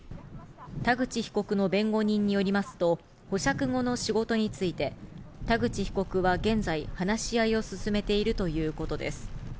田口被告の弁護人によりますと、保釈後の仕事について、田口被告は現在、話し合いを進めているということです。